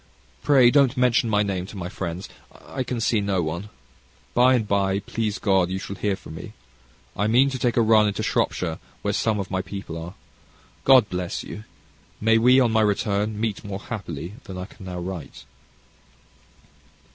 Pray don't mention my name to my friends. I can see no one. By and by, please God, you shall hear from me. I mean to take a run into Shropshire, where some of my people are. God bless you! May we, on my return, meet more happily than I can now write.